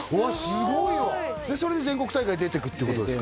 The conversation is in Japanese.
すごいわでそれで全国大会出ていくってことですか？